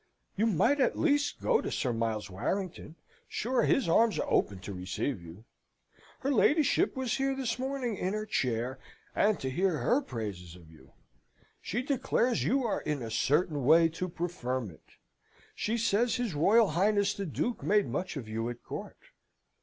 "You might at least go to Sir Miles Warrington; sure his arms are open to receive you. Her ladyship was here this morning in her chair, and to hear her praises of you! She declares you are in a certain way to preferment. She says his Royal Highness the Duke made much of you at court.